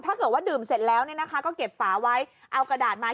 ถ้าเกิดว่าดื่มเสร็จแล้วเนี่ยนะคะก็เก็บฝาไว้เอากระดาษมา